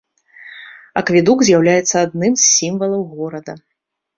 Акведук з'яўляецца адным з сімвалаў горада.